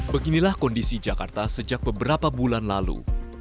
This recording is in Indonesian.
beginilah kondisi jakarta sejak beberapa bulan lalu